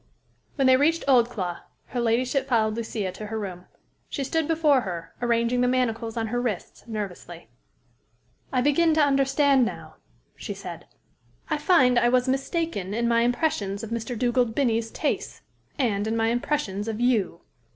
When they reached Oldclough, her ladyship followed Lucia to her room. She stood before her, arranging the manacles on her wrists nervously. "I begin to understand now," she said. "I find I was mistaken in my impressions of Mr. Dugald Binnie's tastes and in my impressions of you.